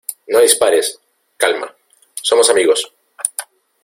¡ No dispares! Calma. somos amigos .